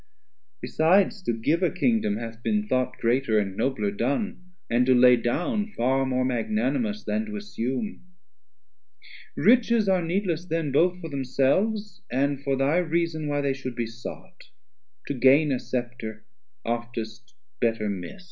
480 Besides to give a Kingdom hath been thought Greater and nobler done, and to lay down Far more magnanimous, then to assume. Riches are needless then, both for themselves, And for thy reason why they should be sought, To gain a Scepter, oftest better miss't.